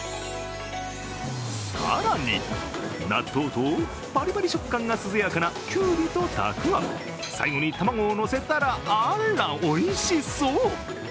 更に、納豆とパリパリ食感が涼やかな、きゅうりとたくあん、最後に卵を載せたら、あら、おいしそう。